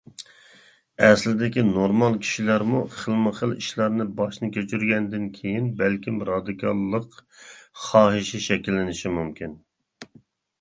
ئەسلىدىكى نورمال كىشىلەرمۇ، خىلمۇخىل ئىشلارنى باشتىن كەچۈرگەندىن كېيىن بەلكىم رادىكاللىق خاھىشى شەكىللىنىشى مۇمكىن.